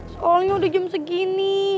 soalnya udah jam segini